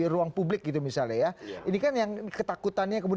yang oposisi kan mengkhawatirkan